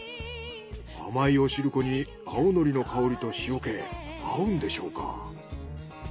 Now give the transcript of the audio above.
甘いお汁粉に青海苔の香りと塩気合うんでしょうか？